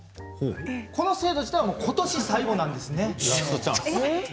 この制度自体は今年、最後なんですね。